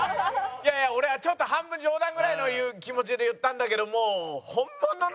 いやいや俺はちょっと半分冗談ぐらいの気持ちで言ったんだけどもう。